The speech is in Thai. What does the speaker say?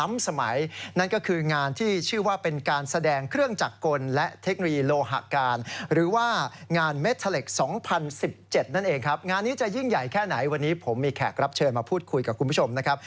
มาพูดคุยกับคุณผู้ชมนะครับ